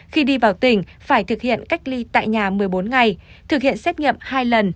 khi đi vào tỉnh phải thực hiện cách ly tại nhà một mươi bốn ngày thực hiện xét nghiệm hai lần